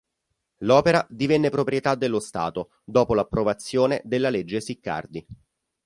L'opera divenne proprietà dello Stato dopo l'approvazione della legge Siccardi.